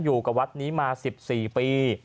อยู่กับวัดนี้มาสิบสี่ปี